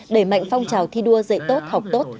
đẩy mạnh phong trào thi đua dạy tốt học tốt